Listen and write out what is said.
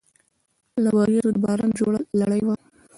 له وریځو د باران جوړه لړۍ وه